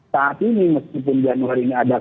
saat ini meskipun januari ini ada